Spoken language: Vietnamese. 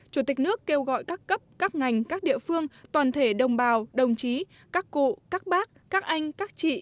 chủ tịch nước kêu gọi các cấp các ngành các địa phương toàn thể đồng bào đồng chí các cụ các bác các anh các chị